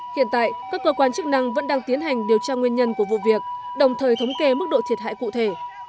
hiện tại các cơ quan chức năng vẫn đang tiến hành điều tra nguyên nhân của vụ việc đồng thời thống kê mức độ thiệt hại cụ thể